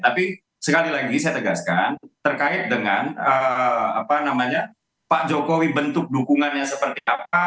tapi sekali lagi saya tegaskan terkait dengan pak jokowi bentuk dukungannya seperti apa